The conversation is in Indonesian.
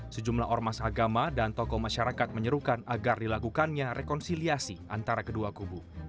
sejumlah ormas agama dan tokoh masyarakat menyerukan agar dilakukannya rekonsiliasi antara kedua kubu